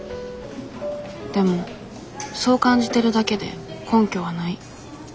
でもそう感じてるだけで根拠はない。